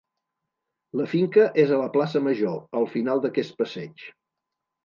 La finca és a la plaça Major, al final d'aquest passeig.